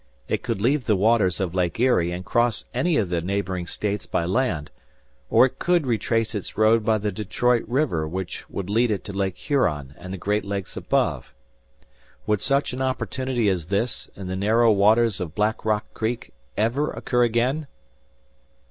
It could leave the waters of Lake Erie, and cross any of the neighboring states by land; or it could retrace its road by the Detroit River which would lead it to Lake Huron and the Great Lakes above. Would such an opportunity as this, in the narrow waters of Black Rock Creek, ever occur again!